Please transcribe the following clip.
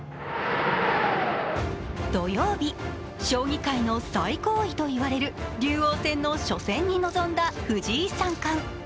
土曜日、将棋界の最高位といわれる竜王戦の初戦に臨んだ藤井三冠。